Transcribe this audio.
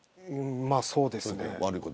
そうですね。